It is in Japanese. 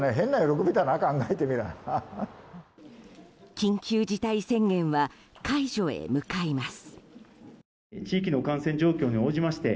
緊急事態宣言は解除へ向かいます。